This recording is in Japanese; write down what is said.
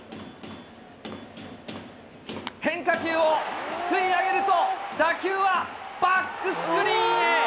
変化球をすくい上げると、打球はバックスクリーンへ。